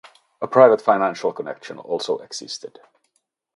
A private financial connection also existed.